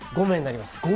５名になります。